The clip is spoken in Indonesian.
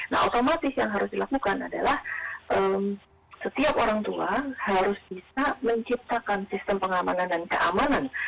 nah otomatis yang harus dilakukan adalah setiap orang tua harus bisa menciptakan sistem pengamanan dan keamanan